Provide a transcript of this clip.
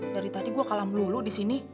dari tadi gue kalah melulu di sini